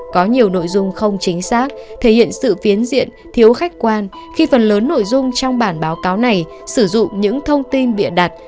có nhiều nội dung không chính xác thể hiện sự phiến diện thiếu khách quan khi phần lớn nội dung trong bản báo cáo này sử dụng những thông tin bịa đặt